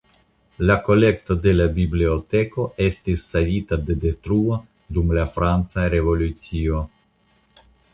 La kolekto de la biblioteko estis savita de detruo dum la franca Revolucio.